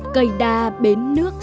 cây đa bến nước